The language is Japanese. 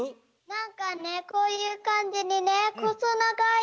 なんかねこういうかんじにねほそながい。